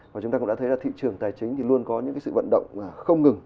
và chúng ta cũng đã thấy là thị trường tài chính thì luôn có những sự vận động không ngừng